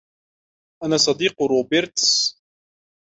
أنا صديق روبرتس.